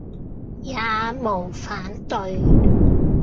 也無反對，